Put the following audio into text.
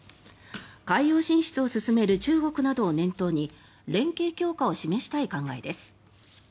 海洋進出を進める中国などを念頭に連携強化を示したい考えです。